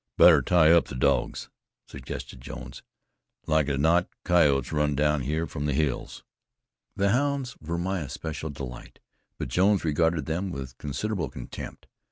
"Better tie up the dogs," suggested Jones. "Like as not coyotes run down here from the hills." The hounds were my especial delight. But Jones regarded them with considerable contempt.